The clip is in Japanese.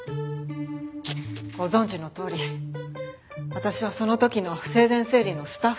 ご存じのとおり私はその時の生前整理のスタッフでした。